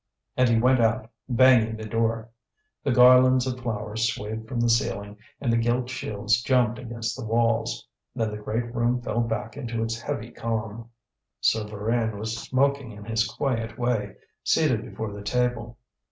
And he went out, banging the door. The garlands of flowers swayed from the ceiling, and the gilt shields jumped against the walls. Then the great room fell back into its heavy calm. Souvarine was smoking in his quiet way, seated before the table.